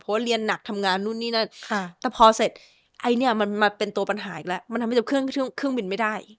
เพราะว่าเรียนหนักทำงานนู่นนี่นั่นแต่พอเสร็จไอ้เนี่ยมันมาเป็นตัวปัญหาอีกแล้วมันทำให้จะเครื่องเครื่องบินไม่ได้